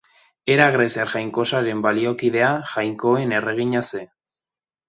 Hera greziar jainkosaren baliokidea, jainkoen erregina zen.